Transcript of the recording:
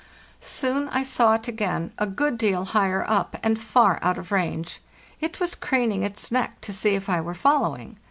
Soon I saw it again, a good deal higher up, and far out of range. It was craning its neck to see if I were following.